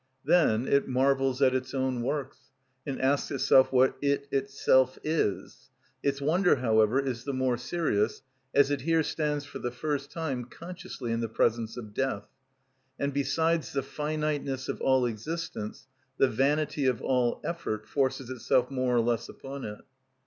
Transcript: Then it marvels at its own works, and asks itself what it itself is. Its wonder however is the more serious, as it here stands for the first time consciously in the presence of death, and besides the finiteness of all existence, the vanity of all effort forces itself more or less upon it.